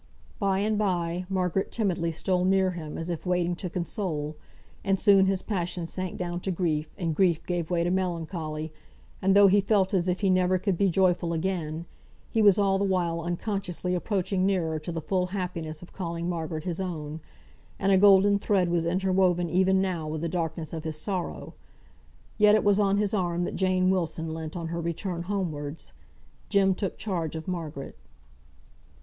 By and bye, Margaret timidly stole near him, as if waiting to console; and soon his passion sank down to grief, and grief gave way to melancholy, and though he felt as if he never could be joyful again, he was all the while unconsciously approaching nearer to the full happiness of calling Margaret his own, and a golden thread was interwoven even now with the darkness of his sorrow. Yet it was on his arm that Jane Wilson leant on her return homewards. Jem took charge of Margaret.